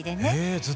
ずっと。